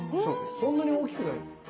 そんなに大きくない。